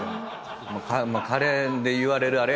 カレーで言われるあれやけど。